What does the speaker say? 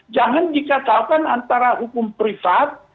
jangan dikatakan antara hukum privat